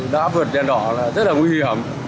đã vượt đèn đỏ là rất là nguy hiểm